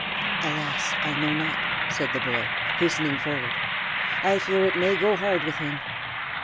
"Alas! I know not," said the boy, hastening forward. "I fear it may go hard with him."